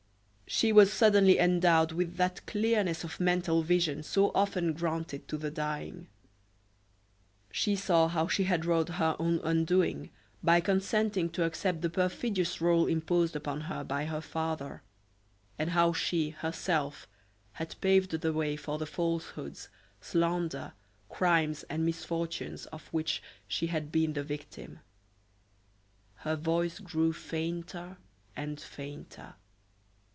She was suddenly endowed with that clearness of mental vision so often granted to the dying. She saw how she had wrought her own undoing by consenting to accept the perfidious role imposed upon her by her father, and how she, herself, had paved the way for the falsehoods, slander, crimes and misfortunes of which she had been the victim. Her voice grew fainter and fainter.